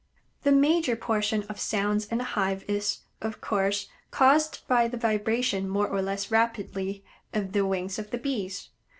The major portion of sounds in a hive is, of course, caused by the vibration more or less rapidly of the wings of the Bees.